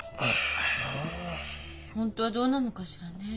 本当はどうなのかしらね？